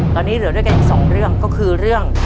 ตอนนี้เหลือด้วยกันอีกสองเรื่องก็คือเรื่อง